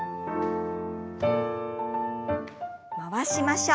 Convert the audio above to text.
回しましょう。